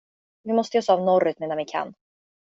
Vi måste ge oss av norrut medan vi kan.